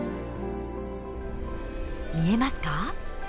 見えますか？